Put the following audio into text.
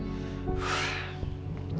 buat apa gitu